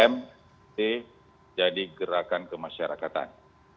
tiga m tiga t jadi gerakan kemasyarakatan